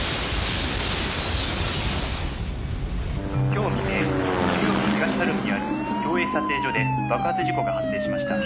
「今日未明中央区東晴海にある共映撮影所で爆発事故が発生しました」